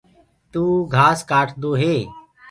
تو گھاس ڪآٽدو هي۔